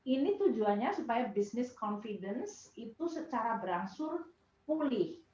ini tujuannya supaya business confidence itu secara berangsur pulih